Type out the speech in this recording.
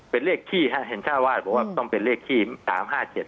เป็นเลขที่เห็นชาวว่าต้องเป็นเลขที่๓๕๗ก็ได้ครับ